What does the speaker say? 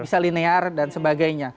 bisa linear dan sebagainya